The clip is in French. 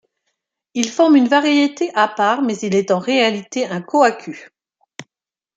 Il forme une variété à part mais il est en réalité un kohaku.